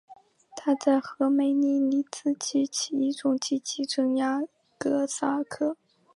他在赫梅利尼茨基起义中积极镇压哥萨克。